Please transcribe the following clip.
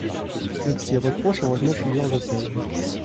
Ils s'y retranchent en retenant plusieurs otages.